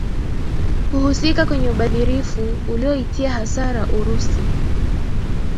kuhusika kwenye ubadhirifu ulioitia hasara urusi